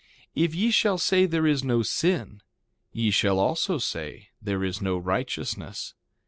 If ye shall say there is no sin, ye shall also say there is no righteousness.